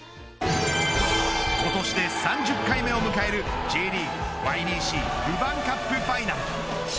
今年で３０回目を迎えるＪリーグＹＢＣルヴァンカップファイナル。